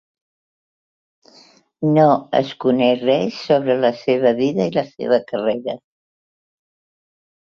No es coneix res sobre la seva vida i la seva carrera.